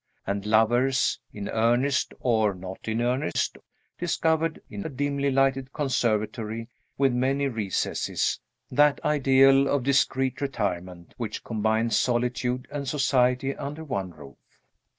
And lovers (in earnest or not in earnest) discovered, in a dimly lighted conservatory with many recesses, that ideal of discreet retirement which combines solitude and society under one roof.